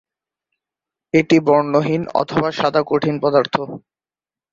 এটি বর্ণহীন অথবা সাদা কঠিন পদার্থ।